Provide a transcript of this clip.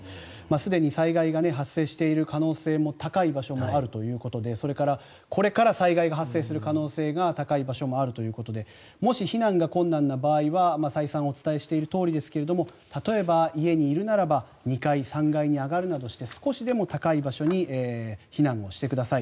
すでに災害が発生している可能性も高い場所もあるということでそれからこれから災害が発生する可能性が高い場所もあるということでもし避難が困難な場合は再三お伝えしているとおりですが例えば家にいるならば２階、３階に上がるなどして少しでも高い場所に避難をしてください。